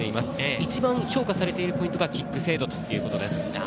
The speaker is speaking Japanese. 一番評価されているポイントがキック精度ということです。